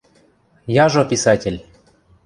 Яжо писатель!